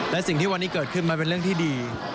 และสิ่งที่วันนี้เกิดขึ้นมันเป็นเรื่องที่ดี